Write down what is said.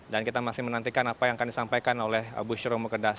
dan kita masih menantikan apa yang akan disampaikan oleh bushiromu kedas